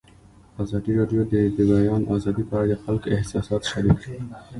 ازادي راډیو د د بیان آزادي په اړه د خلکو احساسات شریک کړي.